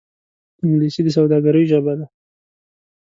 انګلیسي د سوداګرۍ ژبه ده